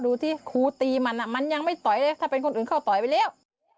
ดูที่ครูตีมันมันยังไม่ต่อยเลยถ้าเป็นคนอื่นเข้าต่อยไปแล้ว